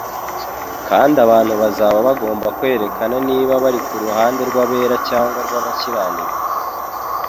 kandi abantu bazaba bagomba kwerekana niba bari ku ruhande rw'abera cyangwa rw'abakiranirwa.